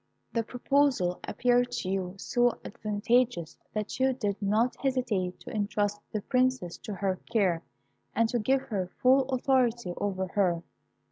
"The proposal appeared to you so advantageous that you did not hesitate to entrust the Princess to her care, and to give her full authority over her.